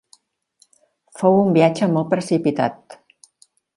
Fou un viatge molt precipitat.